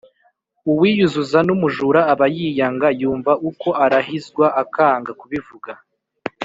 uwiyuzuza n’umujura aba yiyanga, yumva uko arahizwa akanga kubivuga